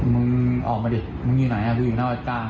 มึงออกมาดิมึงอยู่ไหนฮะพี่อยู่หน้าวัดกลาง